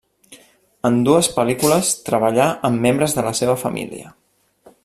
En dues pel·lícules treballà amb membres de la seva família.